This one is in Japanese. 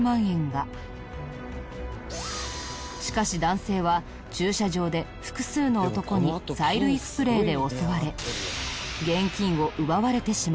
しかし男性は駐車場で複数の男に催涙スプレーで襲われ。